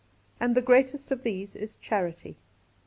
And the greatest of these is charity.'